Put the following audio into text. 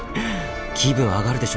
気分上がるでしょ？